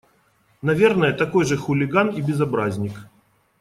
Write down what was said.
Наверное, такой же хулиган и безобразник.